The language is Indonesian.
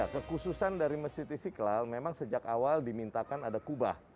kekhususan dari masjid istiqlal memang sejak awal dimintakan ada kubah